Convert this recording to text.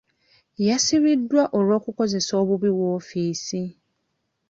Yasibiddwa olw'okukozesa obubi woofiisi.